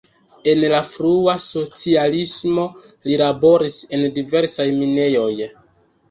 En la frua socialismo li laboris en diversaj minejoj.